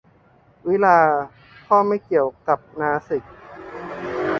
วิฬาร์ก็ไม่เกี่ยวกับนาสิก